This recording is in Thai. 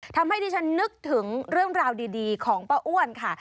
ที่ฉันนึกถึงเรื่องราวดีของป้าอ้วนค่ะ